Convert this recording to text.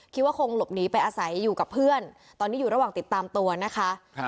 คิดว่าคงหลบหนีไปอาศัยอยู่กับเพื่อนตอนนี้อยู่ระหว่างติดตามตัวนะคะ